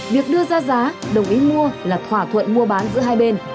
việc đưa ra giá đồng ý mua là thỏa thuận mua bán giữa hai bên